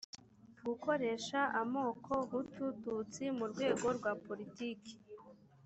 gukoresha amoko hutu tutsi mu rwego rwa politiki